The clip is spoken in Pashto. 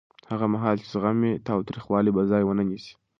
هغه مهال چې زغم وي، تاوتریخوالی به ځای ونه نیسي.